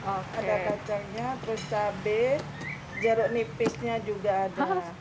ada kacangnya terus cabai jeruk nipisnya juga ada